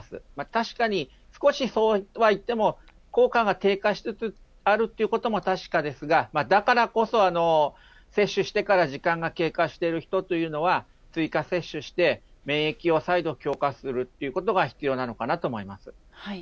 確かに少し、そうは言っても、効果が低下しつつあるということも確かですが、だからこそ、接種してから時間が経過してる人というのは、追加接種して、免疫を再度、強化するっていうことが必要なのかなと思います。